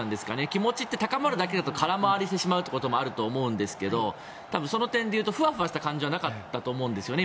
気持ちって高まるだけだと空回りしてしまうこともあると思うんですけど多分、その点でいうとフワフワした感じはなかったと思うんですね。